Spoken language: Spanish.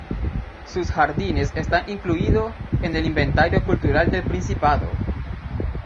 Sus jardines están incluido en el Inventario Cultural del Principado.